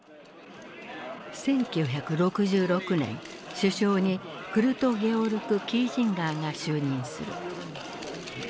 首相にクルト・ゲオルク・キージンガーが就任する。